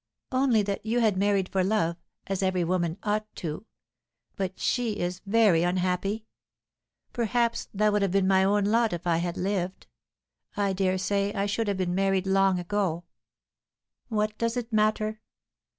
"Only that you had married for love, as every woman ought to. But she is very unhappy. Perhaps that would have been my own lot if I had lived. I dare say I should have been married long ago. What does it matter?